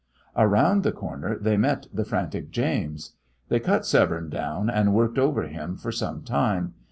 Around the corner they met the frantic James. They cut Severne down, and worked over him for some time.